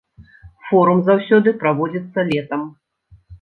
Форум заўсёды праводзіцца летам.